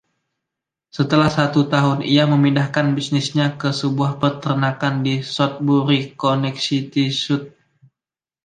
Setelah satu tahun ia memindahkan bisnisnya ke sebuah peternakan di Southbury, Connecticut.